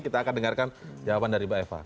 kita akan dengarkan jawaban dari mbak eva